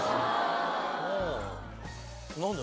何だ？